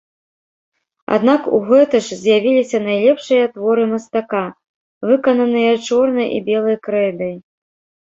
Аднак у гэты ж з'явіліся найлепшыя творы мастака, выкананыя чорнай і белай крэйдай.